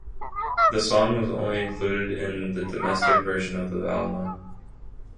The song was only included in the domestic version of the album.